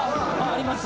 あります。